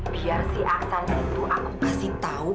biar si aksan itu aku kasih tahu